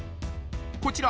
こちら